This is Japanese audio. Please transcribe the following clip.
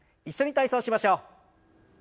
一緒に体操しましょう。